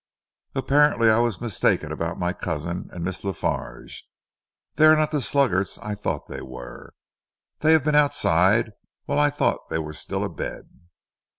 "Apparently I was mistaken about my cousin and Miss La Farge. They are not the sluggards I thought they were. They have been outside whilst I thought they were still a bed."